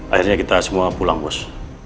akhirnya kita semua pulang bos